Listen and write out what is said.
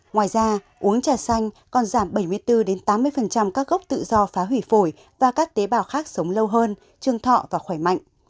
ngoài ra uống trà xanh còn giảm bảy mươi bốn tám mươi các gốc tự do phá hủy phổi và các tế bào khác sống lâu hơn trường thọ và khỏe mạnh